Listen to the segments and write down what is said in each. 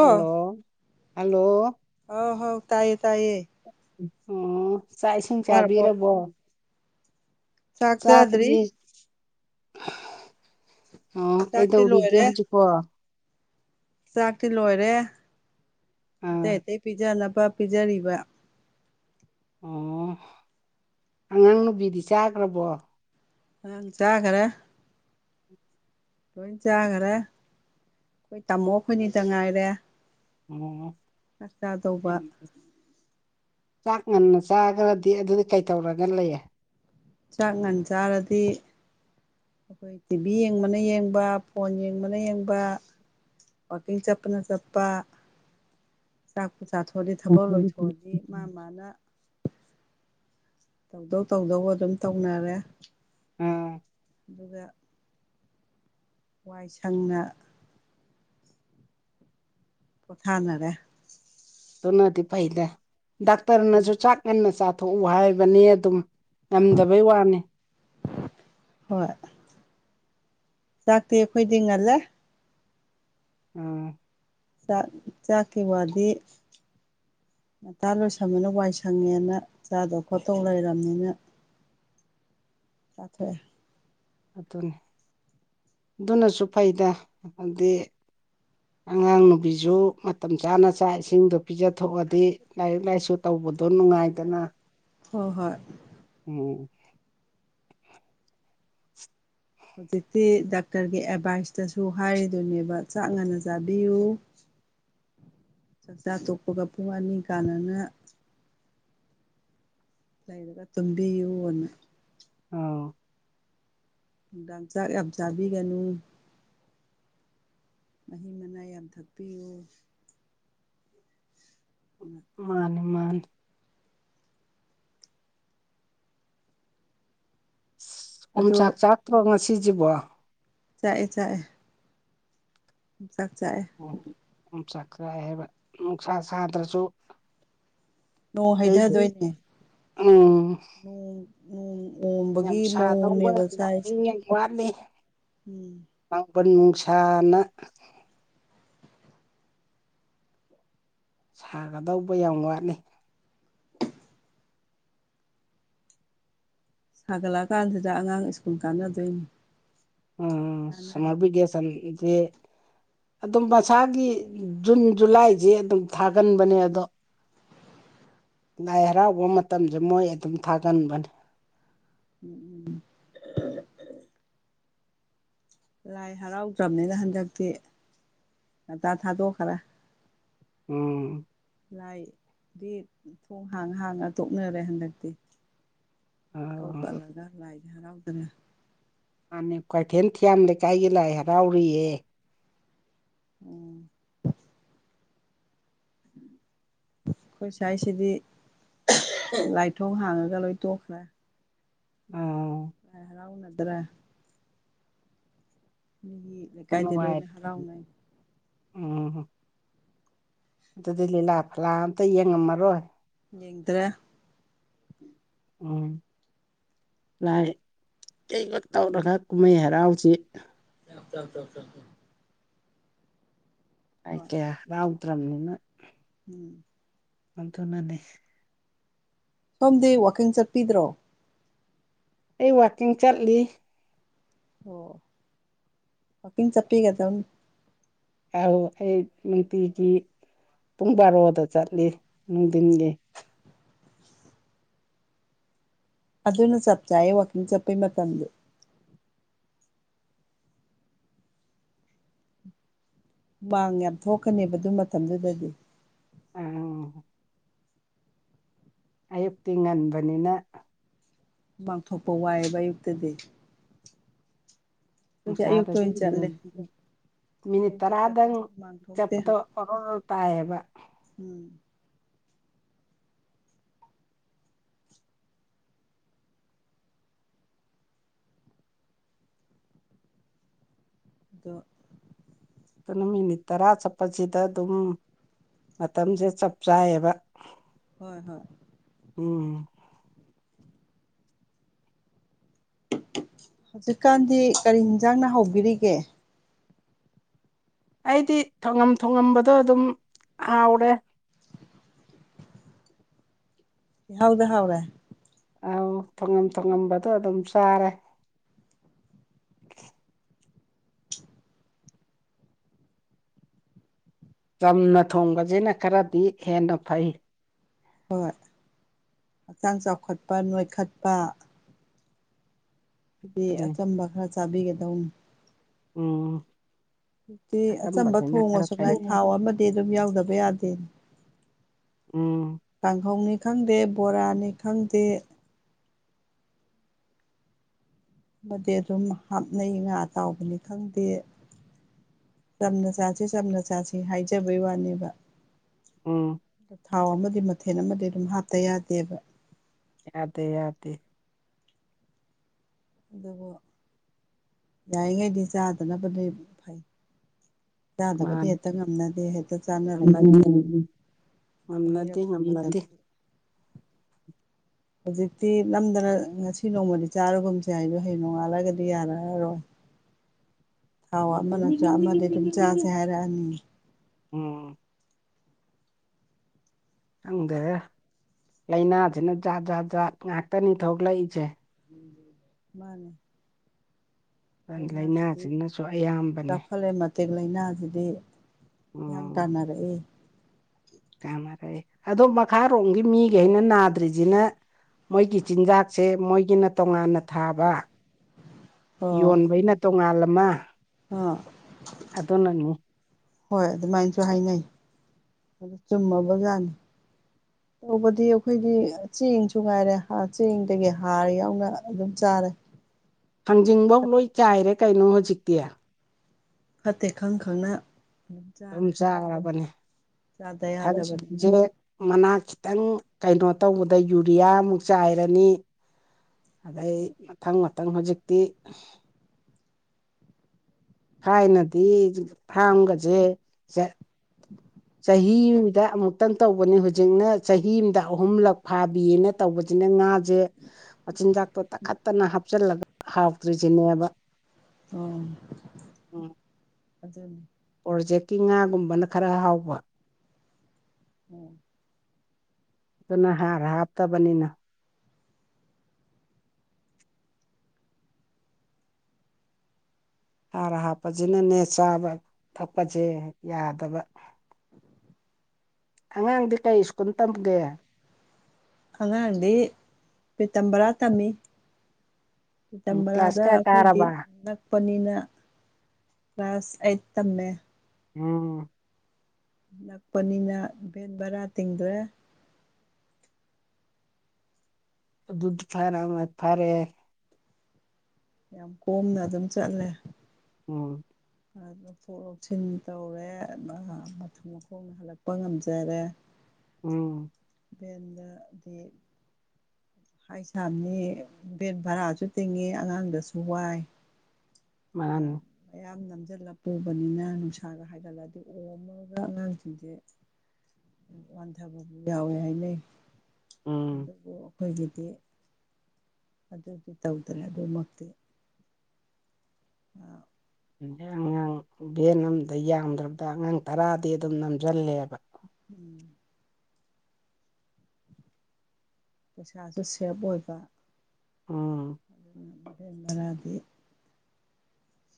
hello hello ꯍꯥꯎ ꯍꯥꯎ ꯇꯥꯏꯌꯦ ꯇꯥꯏꯌꯦ ꯑꯣ ꯆꯥꯛ ꯏꯁꯤꯡ ꯌꯥꯔꯕꯣ ꯆꯥꯕꯤꯔꯕꯣ ꯆꯥꯛ ꯆꯥꯗ꯭ꯔꯤ ꯆꯗꯔ꯭ꯤ ꯑꯣ ꯆꯥꯛꯇꯤ ꯀꯩꯗꯧꯔꯤꯒꯦ ꯂꯣꯏꯔꯦ ꯍꯧꯖꯤꯛꯄꯣ ꯆꯥꯛꯇꯤ ꯂꯣꯏꯔꯦ ꯑꯇꯩ ꯑꯇꯩ ꯄꯤꯖꯅꯕ ꯄꯤꯖꯔꯤꯕ ꯑꯣ ꯑꯉꯥꯡ ꯅꯨꯨꯕꯤꯗꯤ ꯆꯥꯈ꯭ꯔꯕꯣ ꯑꯪ ꯆꯥꯈꯔꯦ ꯂꯣꯏꯟ ꯆꯥꯈꯔꯦ ꯑꯩꯈꯣꯏ ꯇꯥꯃꯣ ꯑꯩꯈꯣꯏꯅꯤꯇꯪ ꯉꯥꯏꯔꯦ ꯎꯝ ꯆꯥꯛ ꯆꯥꯗꯧꯕ ꯆꯥꯛ ꯉꯟꯅ ꯆꯥꯈ꯭ꯔꯗꯤ ꯑꯗꯨꯗꯤ ꯀꯩꯇꯧꯔꯒ ꯂꯩ ꯆꯥꯛ ꯉꯟ ꯆꯥꯔꯗꯤ ꯑꯩꯈꯣꯏ ꯇꯤꯚꯤ ꯌꯦꯡꯕꯅ ꯌꯦꯡꯕ ꯐꯣꯟ ꯌꯦꯡꯕꯅ ꯌꯦꯡꯕ ꯋꯥꯛꯀꯤꯡ ꯆꯠꯄꯅ ꯆꯠꯄ ꯆꯥꯛꯄꯨ ꯆꯥꯊꯣꯛꯑꯗꯤ ꯊꯕꯛ ꯂꯣꯏꯊꯣꯛꯑꯗꯤ ꯃꯥ ꯃꯥꯅ ꯇꯧꯗꯧ ꯇꯧꯗꯧꯕ ꯑꯗꯨꯝ ꯇꯧꯅꯔꯦ ꯎꯝ ꯑꯗꯨꯒ ꯋꯥꯏ ꯁꯪꯅ ꯄꯣꯊꯥꯅꯔꯦ ꯑꯗꯨꯅꯗꯤ ꯐꯩꯗ ꯎꯝ ꯗꯥꯥꯛꯇꯔꯅꯖꯨ ꯆꯥꯛ ꯉꯟꯅ ꯆꯥꯊꯣꯛꯎ ꯍꯥꯏꯕꯅꯤ ꯑꯗꯨꯝ ꯉꯝꯗꯕꯩ ꯋꯥꯅꯤ ꯍꯣꯏ ꯆꯥꯛꯇꯤ ꯑꯩꯈꯣꯏꯗꯤ ꯉꯜꯂꯦ ꯑꯣ ꯆꯥꯛ ꯆꯥꯛꯀꯤ ꯋꯥꯗꯤ ꯉꯟꯇ ꯂꯣꯏꯁꯟꯕꯅ ꯋꯥꯏꯁꯪꯉꯦꯅ ꯆꯥꯗꯧ ꯈꯣꯠꯇꯧ ꯂꯩꯔꯝꯅꯤꯅ [unintelligible] ꯆꯥꯊꫭꯛꯑꯦ ꯑꯗꯨꯅꯤ ꯑꯗꯨꯅꯁꯨ ꯐꯩꯗ ꯑꯗꯤ ꯑꯉꯥꯡ ꯅꯨꯨꯕꯤꯁꯨ ꯃꯇꯝ ꯆꯥꯅ ꯆꯥꯛ ꯏꯁꯤꯡꯗꯣ ꯄꯤꯖꯊꯣꯛꯑꯗꯤ ꯂꯥꯏꯔꯤꯛ ꯂꯥꯏꯁꯨ ꯇꯧꯕꯗꯣ ꯅꯨꯡꯉꯥꯏꯗꯅ ꯍꯣ ꯍꯣꯏ ꯎꯝ ꯍꯧꯖꯤꯛꯇꯤ ꯗꯥꯛꯇꯔꯒꯤ ꯑꯦꯗꯚꯥꯏꯁꯇꯁꯨ ꯍꯥꯏꯔꯤꯗꯨꯅꯦꯕ ꯆꯥꯛ ꯉꯟꯅ ꯆꯥꯕꯤꯌꯨ [unintelligible] ꯆꯥꯛꯆꯥ ꯇꯣꯛꯄꯒ ꯄꯨꯡ ꯑꯅꯤ ꯀꯥꯟꯅꯅ ꯂꯩꯔꯒ ꯇꯨꯝꯕꯤꯌꯨꯅ ꯑꯥꯎ ꯅꯨꯡꯗꯥꯡ ꯆꯥꯛ ꯌꯥꯝ ꯆꯥꯕꯤꯒꯅꯨ ꯃꯍꯤ ꯃꯅꯥꯏ ꯌꯥꯝ ꯊꯛꯄꯤꯌꯨ [unintelligible] ꯃꯥꯅꯤ ꯃꯥꯅꯤ ꯑꯗꯣ ꯑꯣꯝꯆꯥꯛ ꯆꯥꯛꯇ꯭ꯔꯣ ꯉꯁꯤꯁꯤꯕꯣ ꯆꯥꯛꯑꯦ ꯆꯥꯛꯑꯦ ꯑꯣꯝꯆꯥꯛ ꯆꯥꯛꯑꯦ ꯎꯝ ꯑꯣꯝꯆꯥꯛ ꯆꯥꯛꯑꯦ ꯍꯥꯏꯕ ꯅꯨꯡꯁꯥ ꯁꯥꯗ꯭ꯔꯁꯨ ꯅꯣꯡ ꯍꯩꯊꯗꯣꯏꯅꯦ [unintelligible] ꯎꯝ ꯅꯣꯡ ꯅꯣꯡ ꯌꯥꯝ ꯑꯣꯝꯕꯒꯤ ꯁꯥꯗꯧꯕ ꯃꯑꯣꯡꯅꯦꯕ ꯆꯥꯛꯏꯁꯦ [unintelligible] ꯎꯝ ꯂꯥꯡꯕꯟ ꯅꯨꯡꯁꯥꯅ ꯁꯥꯒꯗꯧꯕ ꯌꯥꯝ ꯋꯥꯠꯂꯤ ꯁꯥꯒꯠꯂꯛꯑ ꯀꯥꯟꯁꯤꯗ ꯑꯉꯥꯡ ꯁ꯭ꯀꯨꯜ ꯀꯥꯅꯗꯣꯏꯅꯤ ꯎꯝ ꯁꯃꯔ ꯇꯧꯔꯤꯁꯦ ꯕꯤꯀꯦꯁꯟꯗꯤ ꯑꯗꯨꯝ ꯃꯁꯥꯒꯤ ꯖꯨꯟ ꯖꯨꯂꯥꯏꯁꯦ ꯑꯗꯨꯝ ꯊꯥꯒꯟꯕꯅꯦ ꯑꯗꯣ ꯂꯥꯏ ꯍꯔꯥꯎꯕ ꯃꯇꯝꯁꯦ ꯃꯣꯏ ꯑꯗꯨꯝ ꯊꯥꯒꯟꯕꯅꯤ ꯎꯝ ꯎꯝ ꯂꯥꯏ ꯍꯔꯥꯎꯗ꯭ꯔꯕꯅꯤꯅ ꯍꯟꯗꯛꯇꯤ ꯉꯟꯇꯥ ꯊꯥꯗꯣꯛꯈ꯭ꯔꯦ ꯎꯝ ꯂꯥꯏꯗꯤ ꯊꯣꯡ ꯍꯥꯡ ꯍꯥꯡꯉ ꯇꯣꯛꯅꯔꯦ ꯍꯟꯗꯛꯇꯤ ꯏꯀꯧ ꯀꯠꯂꯒ ꯂꯥꯏꯗꯤ ꯍꯔꯥꯎꯗ꯭ꯔꯦ ꯃꯥꯥꯟꯅꯦ ꯀ꯭ꯋꯥꯛꯀꯩꯊꯦꯜ ꯊꯤꯌꯥꯝ ꯂꯩꯀꯥꯏꯒꯤ ꯂꯥꯏ ꯍꯔꯥꯎꯔꯤꯌꯦ ꯎꯝ ꯑꯩꯈꯣꯏ ꯁ꯭ꯋꯥꯏꯁꯤꯗꯤ ꯂꯥꯏ ꯊꯣꯡ ꯍꯥꯡꯉꯒ ꯂꯣꯏ ꯇꯣꯛꯈ꯭ꯔꯦ ꯑ ꯂꯥꯏ ꯍꯔꯥꯎꯅꯗ꯭ꯔꯦ ꯑꯗꯨꯒꯤ [unintelligible] ꯎꯝ ꯑꯗꯨꯗꯤ ꯂꯤꯂꯥ ꯐꯂꯥ ꯑꯝꯇ ꯌꯦꯡꯉꯝꯃꯔꯣꯏ ꯌꯦꯡꯗ꯭ꯔꯦ ꯎꯝ ꯂꯥꯏ ꯀꯩꯕ ꯇꯧꯔꯒ ꯀꯨꯝꯍꯩ ꯍꯔꯥꯎꯁꯤ [unintelligible] ꯂꯥꯏ ꯍꯣꯏ ꯀꯌꯥ ꯍꯔꯥꯎꯗ꯭ꯔꯝꯅꯤꯅ ꯎꯝ ꯑꯗꯨꯅꯅꯦ ꯁꯣꯝꯗꯤ ꯋꯥꯛꯀꯤꯡ ꯆꯠꯄꯤꯗ꯭ꯔꯣ ꯑꯩ ꯋꯥꯛꯀꯤꯡ ꯆꯠꯂꯤ ꯑꯣ ꯋꯥꯀꯤꯡ ꯆꯞꯄꯤꯒꯝꯅꯦ ꯑꯧ ꯑꯩ ꯅꯨꯡꯇꯤꯒꯤ ꯄꯨꯡ ꯕꯥꯔꯣꯗ ꯆꯠꯂꯤ ꯅꯨꯡꯊꯤꯟꯒꯤ ꯑꯗꯨꯅ ꯆꯞ ꯆꯥꯏꯌꯦ ꯋꯥꯛꯀꯤꯡ ꯆꯠꯄꯩ ꯃꯇꯝꯗꯤ ꯍꯨꯃꯥꯡ ꯌꯥꯝ ꯊꯣꯛꯀꯅꯦꯕ ꯑꯗꯨ ꯃꯇꯝꯗꯨꯗꯗꯤ ꯎꯝ ꯑꯌꯨꯛꯇꯤ ꯉꯟꯕꯅꯤꯅ ꯃꯥꯡꯊꯣꯛꯄ ꯋꯥꯏꯑꯦꯕ ꯑꯌꯨꯛꯇꯗꯤ ꯑꯗꯨꯗꯤ ꯁꯗ ꯑꯌꯨꯛꯇ ꯑꯣꯏꯅ ꯆꯠꯂꯦ [unintelligible] ꯃꯤꯅꯤꯠ ꯑꯌꯨꯛꯇ ꯇꯔꯥꯗꯪ ꯆꯠꯄꯁꯦ ꯍꯨꯃꯥꯡ ꯊꯣꯛꯇꯦ ꯆꯠꯄꯗꯣ ꯑꯣꯔꯣꯔꯣ ꯇꯥꯏꯌꯦꯕ ꯎꯝ ꯑꯗꯣ ꯑꯗꯨꯅ ꯃꯤꯅꯤꯠ ꯇꯔꯥ ꯆꯠꯄꯁꯤꯗ ꯑꯗꯨꯝ ꯃꯇꯝꯁꯦ ꯆꯞ ꯆꯥꯌꯦꯕ ꯍꯣꯏ ꯍꯣꯏ ꯎꯝ ꯍꯧꯖꯤꯛꯀꯥꯟꯗꯤ ꯀꯔꯤ ꯌꯦꯟꯁꯥꯡꯅ ꯍꯥꯎꯕꯤꯔꯤꯒꯦ ꯑꯩꯗꯤ ꯊꯣꯉꯝ ꯊꯣꯉꯝꯕꯗꯣ ꯑꯗꯨꯝ ꯍꯥꯎꯔꯦ ꯏꯍꯥꯎꯗ ꯍꯥꯎꯔꯦ ꯑꯧ ꯊꯣꯉꯝ ꯊꯣꯉꯝꯕꯗꯣ ꯑꯗꯨꯝ ꯆꯥꯔꯦ ꯆꯝꯅ ꯊꯣꯡꯕꯁꯤꯅ ꯈꯔꯗꯤ ꯍꯦꯟꯅ ꯐꯩ ꯍꯣꯏ ꯍꯛꯆꯥꯡ ꯆꯥꯎꯈꯠꯄ ꯅꯣꯏꯈꯠꯄ ꯑꯗꯨꯗꯤ ꯑꯗꯨꯅꯤ ꯑꯆꯝꯕ ꯈꯔ ꯆꯥꯕꯤꯒꯗꯧꯅꯤ ꯎꯝ ꯍꯧꯖꯤꯛꯇꯤ ꯑꯆꯝꯕ ꯑꯆꯝꯕꯁꯤꯅ ꯈꯔ ꯊꯣꯡꯉꯁꯨ ꯐꯩ ꯉꯥꯏ ꯊꯥꯎ ꯑꯃꯗꯤ ꯑꯗꯨꯝ ꯌꯥꯎꯗꯕ ꯌꯥꯗꯦ ꯎꯝ ꯀꯥꯡꯈꯧꯅꯤ ꯈꯪꯗꯦ ꯕꯣꯔꯥꯅꯤ ꯈꯪꯗꯦ ꯑꯃꯗꯤ ꯑꯗꯨꯝ ꯍꯥꯞꯅꯩ ꯉꯥ ꯑꯇꯥꯎꯕꯅꯤ ꯈꯪꯗꯦ ꯆꯝꯅ ꯆꯁꯤ ꯆꯝꯅ ꯆꯥꯁꯤ ꯍꯥꯏꯖꯕꯩ ꯋꯥꯅꯦꯕ ꯎꯝ ꯊꯥꯎ ꯑꯃꯗꯤ ꯃꯊꯦꯜ ꯑꯃꯗꯤ ꯑꯗꯨꯝ ꯍꯥꯞꯇ ꯌꯥꯗꯦꯕ ꯌꯥꯗꯦ ꯌꯥꯗꯦ ꯑꯗꯨꯕꯨ ꯌꯥꯔꯤꯉꯩꯗꯤ ꯆꯥꯗꯅꯕꯗꯤ ꯐꯩ ꯆꯥꯗꯕꯗꯤ ꯃꯥꯅꯤ ꯍꯦꯛꯇ ꯉꯝꯅꯗꯦ ꯍꯦꯛꯇ ꯆꯥꯅꯔꯛꯏ ꯉꯝꯅꯗꯦ ꯉꯝꯅꯗꯦ ꯑꯅꯤꯔꯛꯁꯨꯕꯊ ꯉꯝꯅꯗꯦ ꯑꯗꯨ [unintelligible] ꯍꯧꯖꯤꯛꯇꯤ ꯅꯝꯗꯅ ꯉꯁꯤ ꯅꯣꯡꯃꯗꯤ ꯆꯥꯔꯨꯒꯨꯝꯁꯦ ꯍꯥꯏꯁꯨ ꯍꯌꯦꯡ ꯅꯣꯡꯉꯥꯜꯂꯒꯗꯤ ꯌꯥꯔꯑꯔꯣꯏ [unintelligible] ꯊꯥꯎ ꯑꯃꯅꯁꯨ ꯑꯃꯗꯤ ꯑꯗꯨꯝ ꯆꯥꯁꯦ ꯍꯥꯏꯔꯛꯑꯅꯤ ꯎꯝ ꯈꯪꯗꯦꯗ ꯂꯥꯏꯅꯥꯁꯤꯅ ꯖꯥꯠ ꯖꯥꯠ ꯖꯥꯠ ꯉꯥꯛꯇꯅꯤ ꯊꯣꯛꯂꯛꯏꯁꯦ ꯃꯥꯟꯅꯦ ꯑꯩꯥꯏꯅꯁꯨꯗꯤ ꯂꯥꯏꯅꯥꯁꯤꯅꯁꯨ ꯑꯌꯥꯝꯕꯅꯦ ꯗꯥꯛ ꯐꯂꯦꯃ [unintelligible] [unintelligible] ꯂꯥꯏꯅꯥꯁꯤꯗꯤ ꯍꯤꯌꯥꯡ ꯇꯥꯟꯅꯔꯛꯑꯦ ꯌꯥꯝꯃꯔꯦ ꯑꯗꯣ ꯃꯈꯥꯔꯣꯝꯒꯤ ꯃꯤꯒꯩꯅ ꯅꯥꯗ꯭ꯔꯤꯁꯤꯅ ꯃꯣꯏꯒꯤ ꯆꯤꯟꯖꯥꯛꯁꯦ ꯃꯣꯏꯒꯤꯅ ꯇꯣꯉꯥꯟꯅ ꯊꯥꯕ ꯌꯣꯟꯕꯩꯅ ꯇꯣꯉꯥꯜ ꯑꯃ ꯍꯥ ꯑꯗꯣꯟꯅꯅꯤ ꯍꯣꯏ ꯑꯗꯨꯃꯥꯏꯅꯁꯨ ꯍꯥꯏꯅꯩ ꯆꯨꯝꯃꯕꯖꯥꯅꯤ [inaudible] ꯇꯧꯕꯗꯤ ꯑꯩꯈꯣꯏꯗꯤ ꯆꯦꯡꯁꯨ ꯉꯥꯏꯔꯦ ꯍꯥꯔ ꯆꯦꯡꯗꯒꯤ ꯍꯥꯔ ꯌꯥꯎꯅ ꯑꯗꯨꯝ ꯆꯥꯔꯦ ꯍꯥꯡꯖꯤꯡꯐꯧ ꯂꯣꯏ ꯆꯥꯏꯔꯦ ꯀꯩꯅꯣ ꯍꯧꯖꯤꯛꯇꯤ ꯐꯠꯇꯦ ꯈꯪ ꯈꯪꯅ ꯑꯗꯨꯝ ꯆꯥꯔꯕꯅꯦ ꯆꯥꯗ ꯌꯥꯗꯕꯅꯤꯅ [unintelligible] ꯃꯅꯥ ꯈꯤꯇꯪ ꯀꯩꯅꯣ ꯇꯧꯕꯗ ꯌꯨꯔꯤꯌꯥ ꯑꯃꯨꯛ ꯆꯥꯏꯔꯅꯤ ꯑꯗꯩ ꯃꯊꯪ ꯃꯊꯪ ꯍꯧꯖꯤꯛꯇꯤ ꯊꯥꯏꯅꯗꯤ ꯐꯥꯔꯝꯒꯁꯦ ꯖ__ ꯆꯍꯤ ꯑꯃꯗ ꯑꯃꯨꯛꯇꯪ ꯇꯧꯕꯅꯦ ꯍꯧꯖꯤꯛꯅ ꯆꯍꯤ ꯑꯃꯗ ꯑꯍꯨꯝꯂꯛ ꯐꯥꯕꯤꯌꯦꯅ ꯇꯧꯕꯁꯤꯅ ꯉꯥꯁꯦ ꯃꯆꯤꯟꯖꯥꯛꯇꯣ ꯇꯛꯈꯠꯇꯅ ꯍꯥꯞꯆꯤꯜꯂꯒ ꯍꯥꯎꯇ꯭ꯔꯤꯁꯤꯅꯦꯕ ꯎꯝ ꯎꯝ ꯑꯗꯨꯅꯤ ꯄ꯭ꯔꯣꯖꯦꯛꯀꯤ ꯉꯥꯒꯨꯝꯕꯅ ꯈꯔ ꯍꯥꯎꯕ ꯎꯝ ꯑꯗꯨꯅ ꯍꯥꯔ ꯍꯥꯞꯇꯕꯅꯤꯅ ꯍꯥꯔ ꯍꯥꯞꯄꯁꯤꯅꯅꯦ ꯆꯥꯕ ꯊꯛꯄꯁꯦ ꯌꯥꯗꯕ [inaudible] ꯑꯉꯥꯡꯗꯤ ꯀꯩ ꯁ꯭ꯀꯨꯜ ꯇꯝꯒꯦ ꯑꯉꯥꯡꯗꯤ ꯄꯤꯇꯝꯕꯔꯥ ꯇꯝꯃꯤ ꯎꯝ ꯀ꯭ꯂꯥꯁ ꯄꯤꯇꯝꯕꯔꯥꯗ ꯀꯌꯥ ꯑꯩꯈꯣꯏꯗꯤ ꯀꯥꯔꯕ ꯅꯛ ꯄꯅꯤꯅ ꯀ꯭ꯂꯥꯁ ꯑꯩꯠ ꯇꯝꯃꯦ ꯎꯝ ꯅꯛꯄꯅꯤꯅ ꯚꯦꯟ ꯚꯔꯥ ꯇꯤꯡꯗ꯭ꯔꯦ ꯑꯗꯨꯗꯤ ꯊꯥꯏꯅꯥ ꯑꯃ ꯐꯔꯛꯑꯦ ꯌꯥꯝ ꯀꯣꯝꯅ ꯑꯗꯨꯝ ꯆꯠꯂꯦ ꯎꯝ ꯂꯧꯊꯣꯛ ꯂꯧꯁꯤꯟ ꯇꯧꯔꯦ ꯑꯗꯨꯝ ꯃꯈꯣꯡꯅ ꯍꯜꯂꯛꯄ ꯉꯝꯖꯔꯦ ꯎꯝ ꯚꯦꯟꯗꯗꯤ ꯍꯥꯏꯁꯥꯝꯅꯤ ꯚꯦꯟ ꯚꯔꯥꯁꯨ ꯇꯤꯡꯉꯤ ꯑꯉꯥꯡꯗꯁꯨ ꯋꯥꯏ ꯑ ꯃꯥꯅꯤ ꯃꯌꯥꯝ ꯅꯝꯁꯤꯜꯂ ꯄꯨꯕꯅꯤꯅ ꯅꯨꯡꯁꯥꯒ ꯍꯥꯏꯒꯠꯂꯗꯤ ꯑꯣꯝꯃ ꯍꯧꯖꯤꯛꯀꯟ ꯑꯉꯥꯡꯁꯤꯡꯁꯦ ꯋꯥꯟꯊꯕꯕꯨ ꯌꯥꯎꯋꯦ ꯍꯥꯏꯅꯩ ꯎꯝ ꯑꯗꯨꯕꯨ ꯑꯩꯈꯣꯏꯒꯤꯗꯤ ꯑꯗꯨꯗꯤ ꯇꯧꯗ꯭ꯔꯦ ꯑꯗꯨꯃꯛꯇꯤ ꯑꯥ [unintelligible] ꯑꯉꯥꯡ ꯚꯦꯟ ꯑꯝꯗ ꯌꯥꯝꯗ꯭ꯔꯕꯗ ꯑꯉꯥꯡ ꯇꯔꯥꯗꯤ ꯑꯗꯨꯝ ꯅꯝꯁꯤꯜꯂꯦꯕ ꯎꯝ ꯄꯩꯁꯥꯁꯨ ꯁꯦꯕ ꯑꯣꯏꯕ ꯎꯝ ꯎꯝ ꯚꯦꯟ ꯚꯥꯔꯗꯤ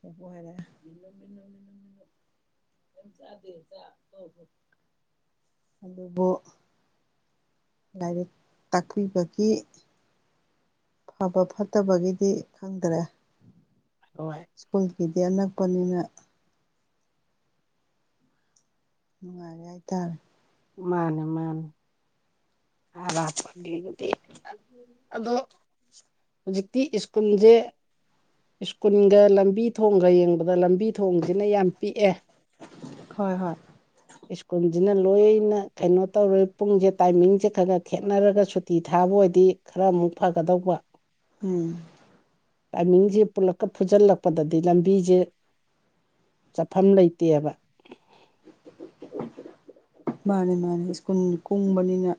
[unintelligible] ꯍꯥꯏꯔꯦ ꯃꯥꯅꯨ ꯃꯥꯅꯨ ꯆꯥꯗꯦ ꯆꯥꯛ ꯑꯗꯨꯕꯨ ꯂꯥꯏꯔꯤꯛ ꯇꯥꯛꯄꯤꯕꯒꯤ ꯑꯐꯕ ꯐꯠꯇꯕꯒꯤꯗꯤ ꯈꯪꯗ꯭ꯔꯦ ꯍꯣꯏ ꯁ꯭ꯀꯨꯜꯒꯤꯗꯤ ꯑꯅꯛꯄꯅꯤꯅ ꯅꯨꯡꯉꯥꯏꯔꯦ ꯍꯥꯏꯇꯥꯔꯦ ꯃꯥꯅꯦ ꯃꯥꯅꯦ [unintelligible] ꯑꯗꯣ ꯍꯧꯖꯤꯛꯇꯤ ꯁ꯭ꯀꯨꯜꯁꯦ ꯁ꯭ꯀꯨꯜꯒ ꯂꯝꯕꯤ ꯊꯣꯡꯒ ꯌꯦꯡꯕꯗ ꯂꯝꯕꯤ ꯊꯣꯡꯁꯤꯅ ꯌꯥꯝ ꯄꯤꯛꯑꯦ ꯍꯣꯏ ꯍꯣꯏ ꯁ꯭ꯀꯨꯜꯁꯤꯅ ꯂꯣꯏꯅ ꯀꯩꯅꯣ ꯇꯧꯔꯦ ꯄꯨꯡꯁꯦ ꯇꯥꯏꯃꯤꯡꯁꯦ ꯈꯔ ꯈꯔ ꯈꯦꯠꯅꯔꯒ ꯁꯨꯇꯤ ꯊꯥꯕ ꯑꯣꯏꯗꯤ ꯈꯔ ꯑꯃꯨꯛ ꯐꯒꯗꯧꯕ ꯎꯝ ꯇꯥꯏꯃꯤꯡꯁꯦ ꯄꯨꯂꯛꯀ ꯐꯨꯖꯤꯜꯂꯛꯄꯗꯗꯤ ꯂꯝꯕꯤꯖꯦ ꯆꯠꯐꯝ ꯂꯩꯇꯦꯕ ꯃꯥꯅꯦ ꯃꯥꯅꯦ ꯁ꯭ꯀꯨꯜ ꯀꯨꯡꯕꯅꯤꯅ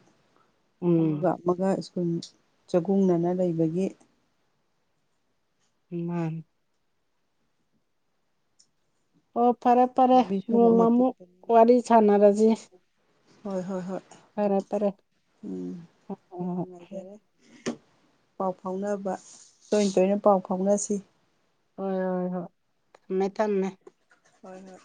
ꯎꯝ ꯑꯃꯒ ꯑꯃꯒ ꯁ꯭ꯀꯨꯜ ꯆꯒꯨꯡꯅꯅ ꯂꯩꯕꯒꯤ ꯎꯝ ꯃꯥꯅꯦ ꯑꯣ ꯐꯔꯦ ꯐꯔꯦ ꯂꯝꯕꯤ ꯁꯣꯔꯣꯛꯅ ꯅꯣꯡꯃ ꯑꯃꯨꯛ ꯄꯤꯛꯄꯅꯤꯅ ꯋꯥꯔꯤ ꯁꯥꯟꯅꯔꯁꯤ ꯍꯣꯏ ꯍꯣꯏ ꯍꯣꯏ ꯐꯔꯦ ꯐꯔꯦ ꯎꯝ ꯌꯥꯝ ꯍꯣꯏ ꯅꯨꯡꯉꯥꯏꯖꯔꯦ ꯄꯥꯎ ꯐꯥꯎꯅꯕ ꯇꯣꯏ ꯇꯣꯏꯅ ꯄꯥꯎ ꯐꯥꯎꯅꯁꯤ ꯍꯣꯏ ꯍꯣꯏ ꯍꯣꯏ ꯊꯝꯃꯦ ꯊꯝꯃꯦ ꯍꯣꯏ ꯍꯣꯏ